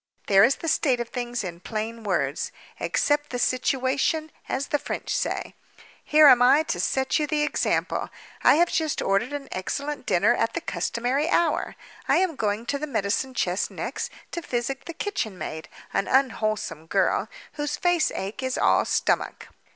There is the state of things in plain words. Accept the situation—as the French say. Here am I to set you the example. I have just ordered an excellent dinner at the customary hour. I am going to the medicine chest next, to physic the kitchen maid—an unwholesome girl, whose face ache is all stomach.